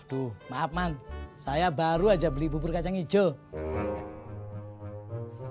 aduh maaf man saya baru aja beli bubur kacang hijau